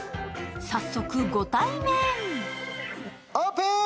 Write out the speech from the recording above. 早速、ご対面。